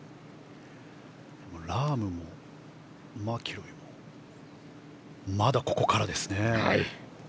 ラームもマキロイもまだここからですね。